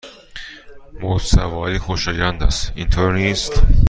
موج سواری خوشایند است، اینطور نیست؟